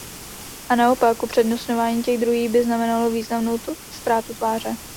A naopak, upřednostňování těch druhých by znamenalo významnou ztrátu tváře.